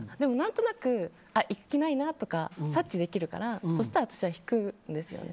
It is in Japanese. でも何となく行く気ないなとか察知できるからそうしたら引くんですよね。